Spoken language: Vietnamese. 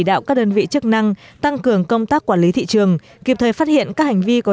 đạo các đơn vị chức năng tăng cường công tác quản lý thị trường kịp thời phát hiện các hành vi có